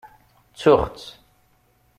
Ttuɣ-tt.